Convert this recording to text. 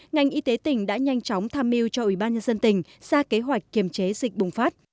ngành y tế tỉnh đã nhanh chóng tham mưu cho ủy ban nhân dân tỉnh ra kế hoạch kiềm chế dịch bùng phát